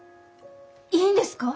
いいんですか？